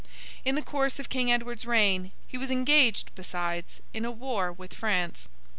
In the course of King Edward's reign he was engaged, besides, in a war with France.